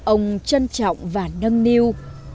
ông trân trọng và nâng niu